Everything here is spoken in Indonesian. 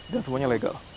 dan semuanya legal